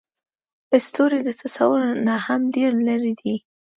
ستوري د تصور نه هم ډېر لرې دي.